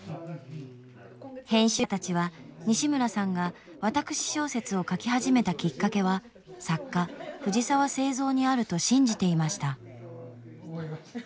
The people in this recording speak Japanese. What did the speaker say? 編集者たちは西村さんが私小説を書き始めたきっかけは作家藤澤造にあると信じていました。